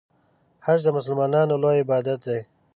حج د مسلمانانو لوی عبادت دی.